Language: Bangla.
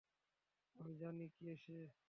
আমি জানি কে সে।